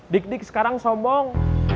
dik dik sekarang sombong